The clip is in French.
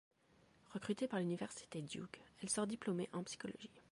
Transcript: Recrutée par l'Université Duke, elle sort diplômée en psychologie.